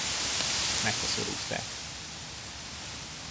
Megkoszorúzták.